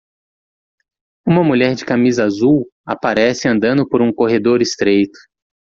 Uma mulher de camisa azul aparece andando por um corredor estreito.